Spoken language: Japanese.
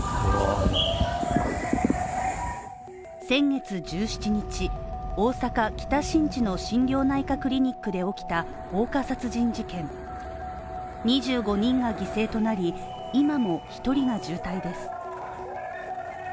先月１７日、大阪・北新地の心療内科クリニックで起きた放火殺人事件２５人が犠牲となり、今も１人が重体です。